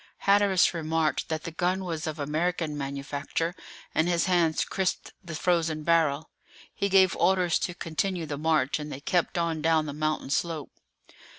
Hatteras remarked that the gun was of American manufacture, and his hands crisped the frozen barrel. He gave orders to continue the march, and they kept on down the mountain slope.